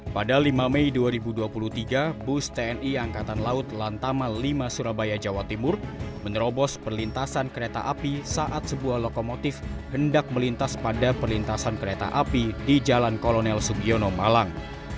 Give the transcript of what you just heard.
pada lima mei dua ribu dua puluh tiga bus tni angkatan laut lantama lima surabaya jawa timur menerobos perlintasan kereta api saat sebuah lokomotif hendak melintas pada perlintasan kereta api di jalan kolonel sugiono malang